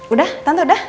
udah tante udah